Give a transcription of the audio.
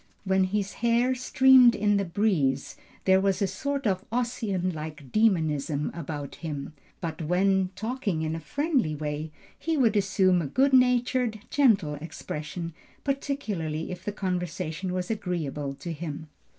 When his hair streamed in the breeze there was a sort of Ossian like dæmonism about him. But, when talking in a friendly way, he would assume a good natured, gentle expression, particularly if the conversation was agreeable to him."